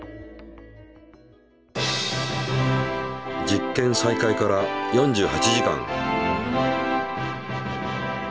実験再開から４８時間。